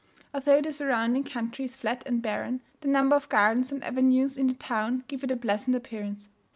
Although the surrounding country is flat and barren, the number of gardens and avenues in the town give it a pleasant appearance.